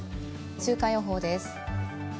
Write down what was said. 週間予報です。